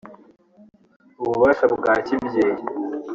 ububasha bwa kibyeyi